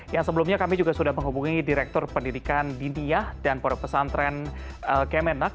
yang sebelumnya kami juga sudah menghubungi direktur pendidikan diniyah dan pondok pesantren kemenak